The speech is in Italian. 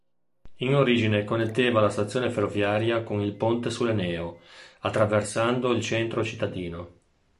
In origine connetteva la stazione ferroviaria con il ponte sull'Eneo attraversando il centro cittadino.